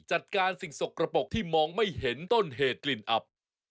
จัดการสิ่งสกระปกที่มองไม่เห็นต้นเหตุกลิ่นอับ